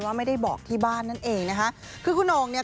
ก็ไม่ได้ไปไหนไกลรึค่ะ